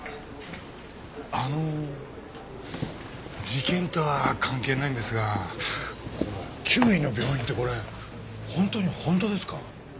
あの事件とは関係ないんですがこの９位の病院ってこれ本当に本当ですか？